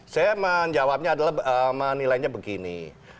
saya menjawabnya adalah menilainya begini